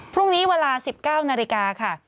พรุ่งนี้เวลา๑๙นาฬิกาค่ะ